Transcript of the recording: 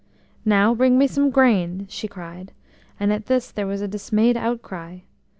"Now bring me some grain," she cried; and at this there was a dismayed outcry.